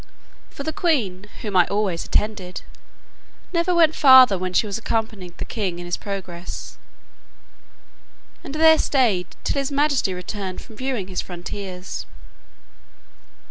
For the queen, whom I always attended, never went farther when she accompanied the king in his progresses, and there staid till his majesty returned from viewing his frontiers.